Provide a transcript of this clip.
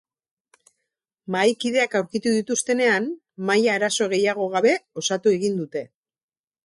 Mahaikideak aurkitu dituztenean, mahaia arazo gehiago gabe osatu egin dute.